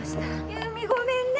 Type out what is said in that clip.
裕美ごめんね！